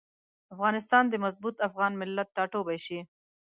افغانستان د مضبوط افغان ملت ټاټوبی شي.